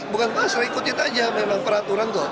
bukan pasra ikutin aja memang peraturan kok